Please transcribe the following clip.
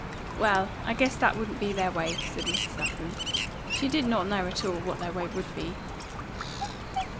"Well, I guess that wouldn't be their way," said Mrs. Lapham; she did not at all know what their way would be.